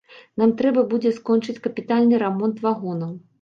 Нам трэба будзе скончыць капітальны рамонт вагонаў.